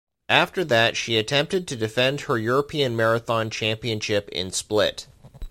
After that she attempted to defend her European Marathon Championship in Split.